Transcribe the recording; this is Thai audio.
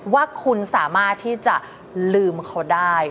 ว่าคุณสามารถที่จะลืมเขาได้